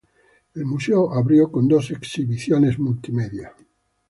El museo abrió con dos exhibiciones multimedia.